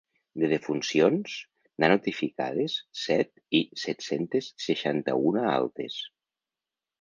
De defuncions, n’ha notificades set, i set-cents seixanta-una altes.